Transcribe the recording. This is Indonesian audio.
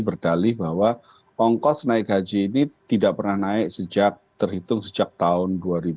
berdalih bahwa ongkos naik haji ini tidak pernah naik sejak terhitung sejak tahun dua ribu dua